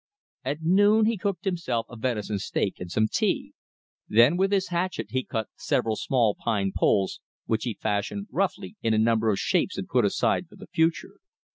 At noon he cooked himself a venison steak and some tea. Then with his hatchet he cut several small pine poles, which he fashioned roughly in a number of shapes and put aside for the future.